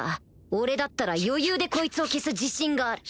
俺だったら余裕でこいつを消す自信がある！